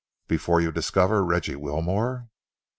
"Before you discover Reggie Wilmore?"